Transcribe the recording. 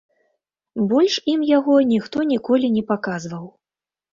Больш ім яго ніхто ніколі не паказваў.